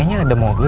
saya sudah selesai